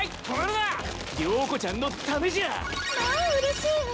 まあうれしいわ。